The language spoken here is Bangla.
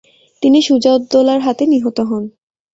তিনি শুজাউদ্দৌলার হাতে নিহত হন।